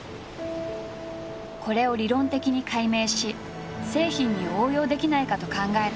これを理論的に解明し製品に応用できないかと考えた佐治。